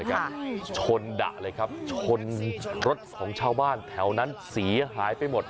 ชนดะเลยครับชนรถของชาวบ้านแถวนั้นเสียหายไปหมด